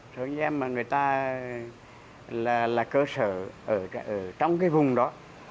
số nhà em mà người ta là cơ sở ở trong cái vùng đó